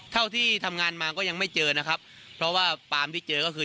ที่ทำงานมาก็ยังไม่เจอนะครับเพราะว่าปามที่เจอก็คือ